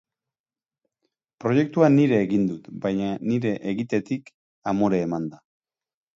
Proiektua nire egin dut, baina nire egitetik amore emanda.